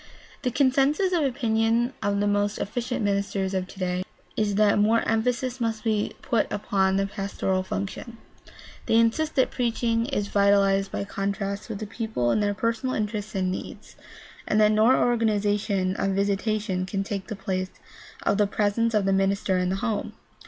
The consensus of opinion of the most efficient ministers of today is that more emphasis must be put upon the pastoral function. They insist that preaching is vitalized by contact with the people in their personal interests and needs, and that no organization of visitation can take the place of the pres ence of the minister in the home.